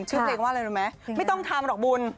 เพลงว่าอะไรรู้ไหมไม่ต้องทำหรอกบุญ